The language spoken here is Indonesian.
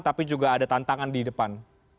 tapi juga ada tantangan di depan